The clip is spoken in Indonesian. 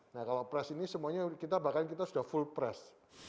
nah kalau pres ini semuanya kita bahkan kita sudah full press